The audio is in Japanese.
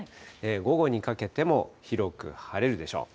午後にかけても広く晴れるでしょう。